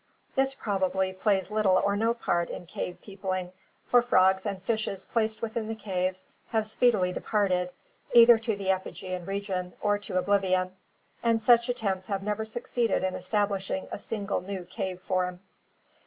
This probably plays little or no part in cavern peopling, for frogs and fishes placed within the caves have speedily departed, either to the epigean region or to oblivion, and such attempts have never succeeded in establishing a single new cave form.